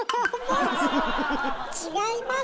違います！